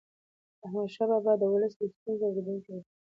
احمدشاه بابا د ولس د ستونزو اورېدونکی و.